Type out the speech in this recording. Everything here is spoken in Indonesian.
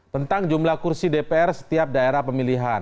tentang jumlah kursi dpr setiap daerah pemilihan